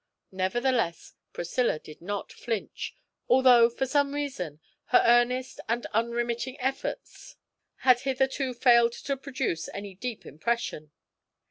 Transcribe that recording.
Nevertheless Priscilla did not flinch, although, for some reason, her earnest and unremitting efforts had hitherto failed to produce any deep impression.